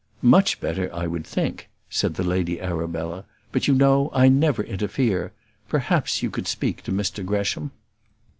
"Much better, I would think," said the Lady Arabella; "but you know, I never interfere: perhaps you would speak to Mr Gresham."